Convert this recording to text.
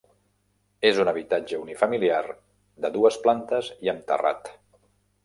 És un habitatge unifamiliar de dues plantes i amb terrat.